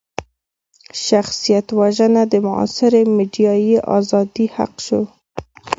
شخصيت وژنه د معاصرې ميډيايي ازادۍ حق شو.